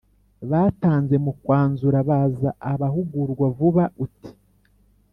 batanze Mu kwanzura baza abahugurwa vuba uti